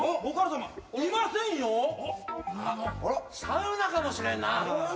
サウナかもしれんな。